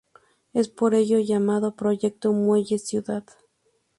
Es por ello llamado Proyecto Muelle-Ciudad.